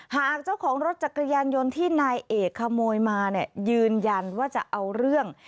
หากเจ้าของรถจักรยานยนต์ที่นายเอกขโมยมาเนี่ยยืนยันว่าจะเอาเรื่อง